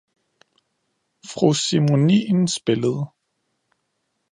Fru Simonin spillede.